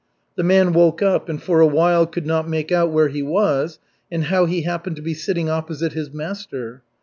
The man woke up and for a while could not make out where he was and how he happened to be sitting opposite his master.